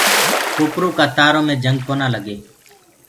ڪوپرو ڪآ تآرو مي جنگ ڪونآ لگي۔